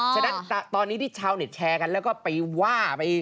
ฉะนั้นตอนนี้ที่ชาวเน็ตแชร์กันแล้วก็ไปว่าไป